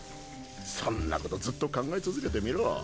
そんなことずっと考え続けてみろ。